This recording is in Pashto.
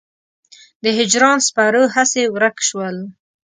د هجران سپرو هسې ورک شول.